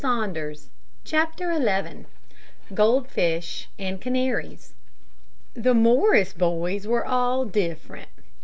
CHAPTER XI GOLDFISH AND CANARIES The Morris boys were all different.